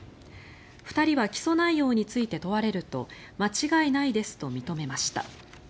２人は起訴内容について問われると間違いないですと認めました。